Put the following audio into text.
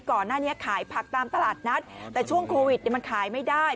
ก่อนหน้านี้ขายผักตามตลาดนัดแต่ช่วงโควิดมันขายไม่ได้